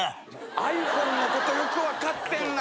ｉＰｈｏｎｅのことよく分かってんな！